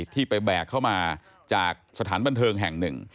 ที่ไปแบกเข้ามาจากสถานบันเทิงแห่งหนึ่ง